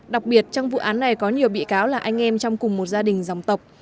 đặc biệt trong vụ án này có nhiều bị cáo là anh em trong cùng một gia đình dòng tộc